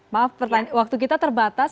maaf waktu kita terbatas